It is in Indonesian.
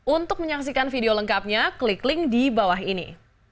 untuk menyaksikan video lengkapnya klik link di bawah ini